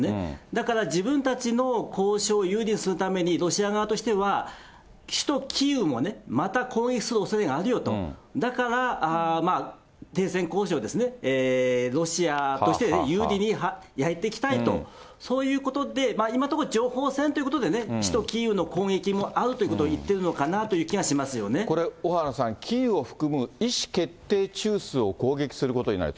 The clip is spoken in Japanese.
だから自分たちの交渉を有利にするために、ロシア側としては首都キーウをね、また攻撃するおそれがあるよと、だから停戦交渉ですね、ロシアとして有利にやっていきたいと、そういうことで、今のところ情報戦ということで、首都キーウの攻撃もあるということを言ってるのかなという気がしこれ、小原さん、キーウを含む意思決定中枢を攻撃することになる。